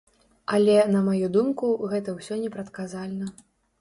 Але, на маю думку, гэта ўсё непрадказальна.